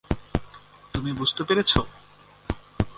তুমি বুঝতে পেরেছো?